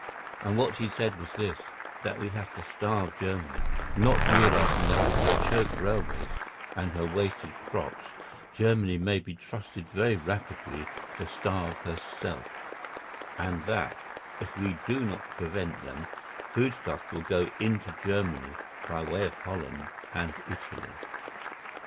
And what he said was this—that we have to starve Germany—not realising that with her choked railways and her wasted crops Germany may be trusted very rapidly to starve herself—and that, if we do not prevent them, foodstuffs will go into Germany by way of Holland and Italy.